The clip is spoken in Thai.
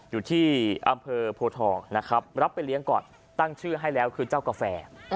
อยู่ที่อำเภอโพทองนะครับรับไปเลี้ยงก่อนตั้งชื่อให้แล้วคือเจ้ากาแฟ